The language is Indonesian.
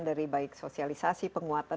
dari baik sosialisasi penguatan